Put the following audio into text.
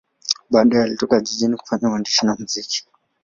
Baadaye alitoka jijini kufanya uandishi na muziki.